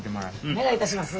お願いいたします。